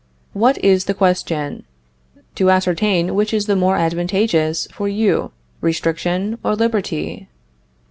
What is the question? To ascertain which is the more advantageous for you, restriction or liberty.